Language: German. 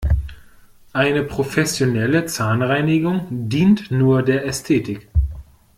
Eine professionelle Zahnreinigung dient nur der Ästhetik.